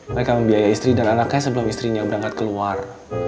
mereka membiayai istri dan anaknya sebelum istrinya berangkat keluar